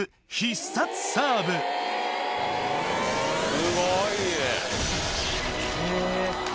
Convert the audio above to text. すごいね。